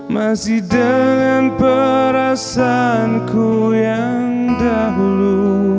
masih dengan perasaanku yang dahulu